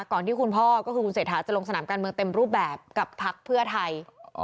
ที่คุณพ่อก็คือคุณเศรษฐาจะลงสนามการเมืองเต็มรูปแบบกับพักเพื่อไทย